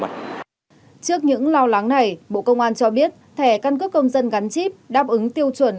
trước những lo lắng này bộ công an cho biết thẻ căn cước công dân gắn chip đáp ứng tiêu chuẩn